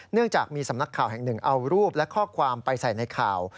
เนื่องจากมีสำนักข่าวแห่งหนึ่งเอารูปและข้อความไปใส่ในข่าว